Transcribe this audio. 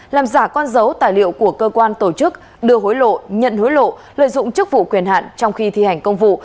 làm giả con dấu tài liệu của cơ quan tổ chức đưa hối lộ nhận hối lộ lợi dụng chức vụ quyền hạn trong khi thi hành công vụ